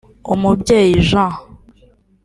umubyeyi J